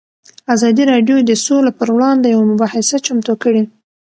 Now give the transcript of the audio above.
ازادي راډیو د سوله پر وړاندې یوه مباحثه چمتو کړې.